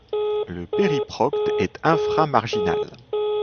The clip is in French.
Le périprocte est inframarginal.